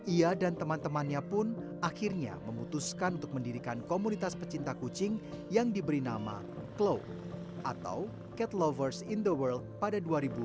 ia dan teman temannya pun akhirnya memutuskan untuk mendirikan komunitas pecinta kucing yang diberi nama cloud atau cat lovers in the world pada dua ribu dua